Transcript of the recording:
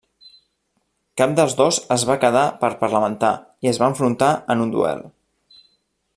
Cap dels dos es va quedar per parlamentar, i es va enfrontar en un duel.